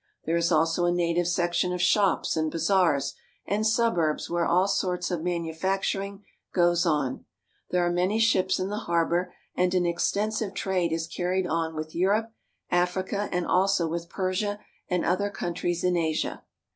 There is also a native section of shops and bazaars and suburbs where all sorts of manufacturing goes on. There are many ships in the harbor, and an extensive trade is carried on with Europe, Africa, and also with Persia and other countries in Asia.